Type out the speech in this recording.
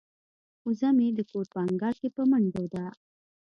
وزه مې د کور په انګړ کې په منډو ده.